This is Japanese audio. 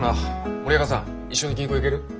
森若さん一緒に銀行行ける？